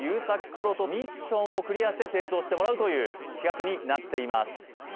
プロとミッションをクリアして成長してもらうという企画になっています